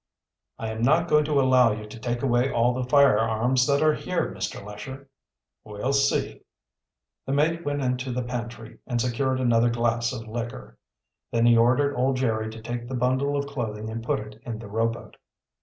"I am not going to allow you to take away all the firearms that are here, Mr. Lesher." "We'll see:" The mate went into the pantry and secured another glass of liquor. Then he ordered old Jerry to take the bundle of clothing and put it in the rowboat.